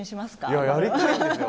いややりたいんですよ